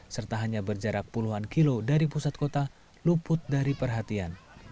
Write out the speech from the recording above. serta hanya berjarak puluhan kilo dari pusat kota luput dari perhatian